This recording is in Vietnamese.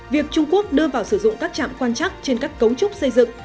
việc trung quốc đưa vào sử dụng các trạm quan chắc trên các cấu trúc xây dựng